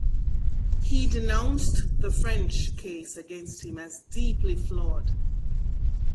He denounced the French case against him as deeply flawed.